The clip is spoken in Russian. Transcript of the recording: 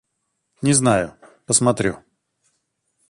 Не знаю... посмотрю.